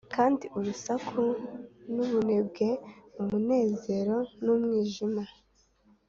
kandi urusaku n'ubunebwe, umunezero n'umwijima.